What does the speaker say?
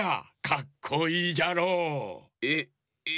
かっこいいじゃろう。えええ。